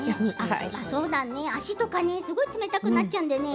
足とかすごく冷たくなっちゃうんだよね。